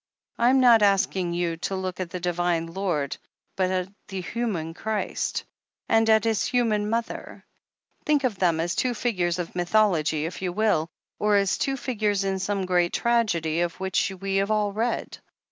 I am not asking you to look at the Divine Lord, but at the human Christ, and at His human Mother. Think of them as two figures of mythology, if you will— or as two figures in some great tragedy of which we have all read.